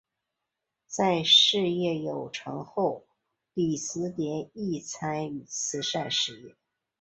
在事业有成后李思廉亦参与慈善事业。